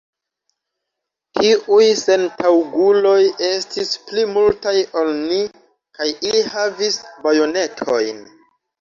Tiuj sentaŭguloj estis pli multaj ol ni, kaj ili havis bajonetojn.